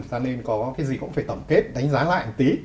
cho nên có cái gì cũng phải tổng kết đánh giá lại một tí